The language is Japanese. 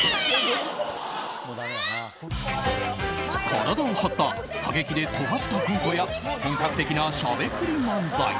体を張った過激でとがったコントや本格的なしゃべくり漫才。